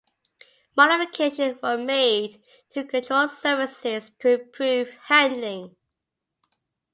Modifications were made to control surfaces to improve handling.